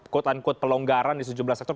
quote unquote pelonggaran di sejumlah sektor